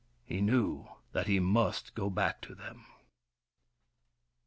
He knew that he must go back to them.